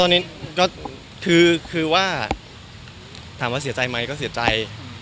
ตอนนี้ก็คือว่าถามว่าเสียใจไหมก็เสียใจ